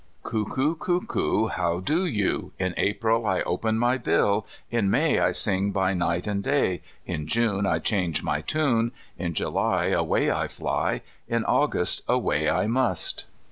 "Cuckoo, cuckoo, How do you? In April I open my bill; In May I sing by night and day; In June I change my tune; In July Away I fly; In August Away I must."